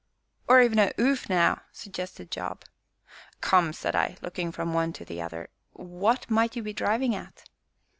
"Or even a 'oof, now?" suggested Job. "Come," said I, looking from one to the other, "what might you be driving at?"